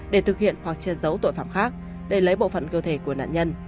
để thực hiện hoặc che giấu tội phạm khác để lấy bộ phận cơ thể của nạn nhân